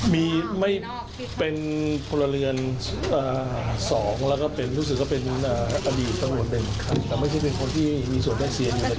แต่ชัดเจนว่า๑๕วันให้กรมตรวจแสดงดีกว่าอันนี้นะครับ